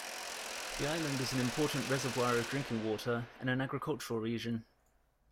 The island is an important reservoir of drinking water and an agricultural region.